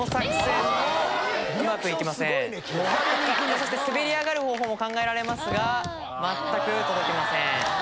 そして滑り上がる方法も考えられますが全く届きません。